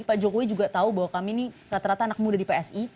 pak jokowi juga tahu bahwa kami ini rata rata anak muda di psi